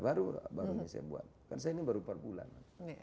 baru baru ini saya buat kan saya ini baru empat bulan